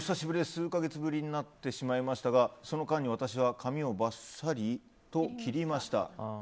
数か月ぶりになってしまいましたがその間に私は髪をバッサリと切りました。